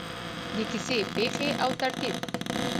د کیسې پیښې او ترتیب: